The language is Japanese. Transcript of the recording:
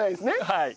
はい。